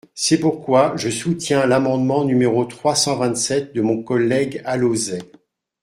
C’est pourquoi je soutiens l’amendement n° trois cent vingt-sept de mon collègue Alauzet.